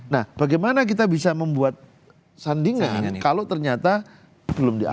nah bagaimana kita bisa membuat sandingan kalau ternyata belum diatur